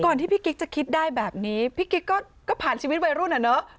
ที่พี่กิ๊กจะคิดได้แบบนี้พี่กิ๊กก็ผ่านชีวิตวัยรุ่นอ่ะเนอะ